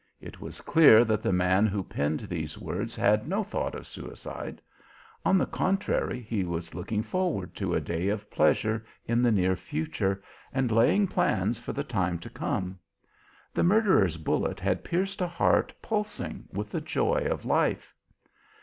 It was clear that the man who penned these words had no thought of suicide. On the contrary, he was looking forward to a day of pleasure in the near future, and laying plans for the time to come. The murderer's bullet had pierced a heart pulsing with the joy of life.